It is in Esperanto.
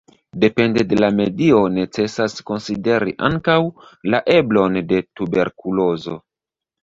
Depende de la medio necesas konsideri ankaŭ la eblon de tuberkulozo.